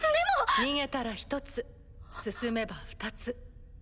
逃げたら１つ進めば２つ。